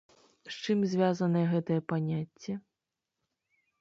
З чым звязанае гэтае паняцце?